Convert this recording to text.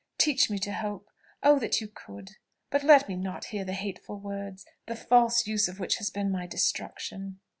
Teach me to hope oh! that you could! but let me not hear the hateful words, the false use of which has been my destruction."